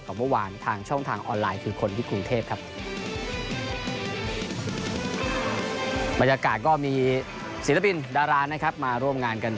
กว่าเมื่อวาน